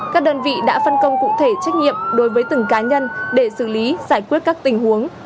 các đơn vị đã phân công cụ thể trách nhiệm đối với từng cá nhân để xử lý giải quyết các tình huống